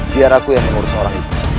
biar aku yang mengurus orang itu